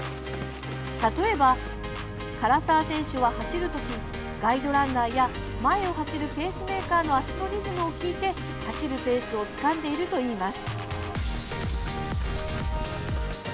例えば、唐澤選手は走る時ガイドランナーや前を走るペースメーカーの足のリズムを聴いて走るペースをつかんでいるといいます。